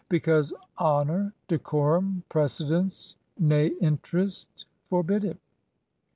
... Because honor, decorum, precedence, nay interest for bid it.